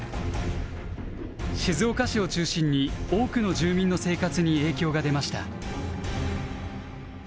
静岡市を中心に多くの住民の生活に影響が出ました。